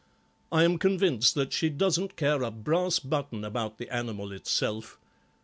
I am convinced that she doesn't care a brass button about the animal itself.